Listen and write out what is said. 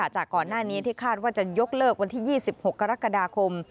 จากก่อนหน้านี้ที่คาดว่าจะยกเลิกวันที่๒๖กรกฎาคม